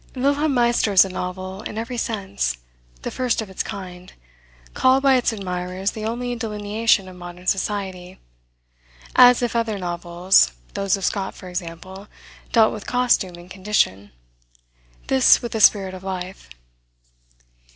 Wilhelm Meister is a novel in every sense, the first of its kind, called by its admirers the only delineation of modern society, as if other novels, those of Scott, for example, dealt with costume and condition, this with the spirit of life.